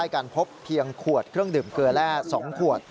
การพบเพียงขวดเครื่องดื่มเกลือแร่๒ขวด